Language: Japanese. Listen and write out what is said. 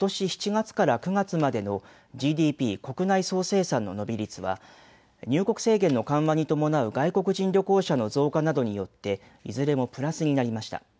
７月から９月までのＧＤＰ・国内総生産の伸び率は入国制限の緩和に伴う外国人旅行者の増加などによっていずれもプラスになりました。